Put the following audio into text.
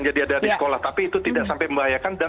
jadi ada di sekolah tapi itu tidak sampai membahayakan